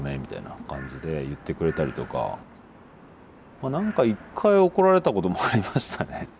まあ何か一回怒られたこともありましたね。